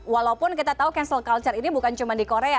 walaupun kita tahu cancel culture ini bukan cuma di korea